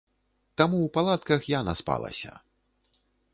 Таму ў палатках я наспалася.